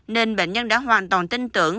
nên bệnh nhân đã hoàn toàn tin tưởng